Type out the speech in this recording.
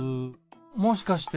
もしかして！